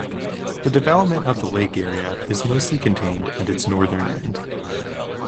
The development of the lake area is mostly contained at its northern end.